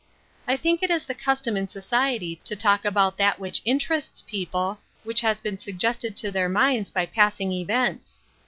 I think it is the custom in soci ety to talk about that which interests people — which has been suggested to their minds by passing events.